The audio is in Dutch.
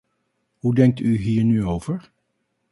Hoe denkt u hier nu over?